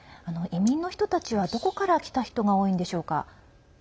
移民の人たちはどこから来た人が多いんでしょうか？